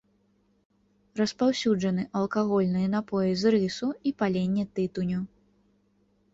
Распаўсюджаны алкагольныя напоі з рысу і паленне тытуню.